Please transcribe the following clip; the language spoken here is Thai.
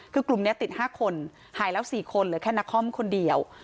คือกลุ่มนี้ติด๕คนหายแล้ว๔คนเหลือแค่นักคอมคนเดียว